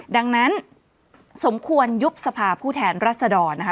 ดังนั้นสมควรยุบสภาผู้แทนรัศดรนะคะ